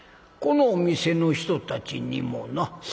このお店の人たちにもな。